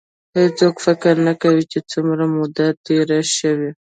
هېڅوک فکر نه کوي چې څومره موده تېره شي.